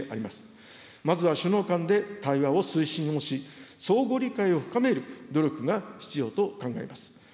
まずは首脳間で対話を推進をし、相互理解を深める努力が必要と考えます。